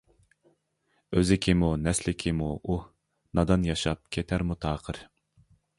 ئۆزى كىمۇ؟ نەسلى كىمۇ؟ ئۇھ. نادان ياشاپ كېتەرمۇ تاقىر.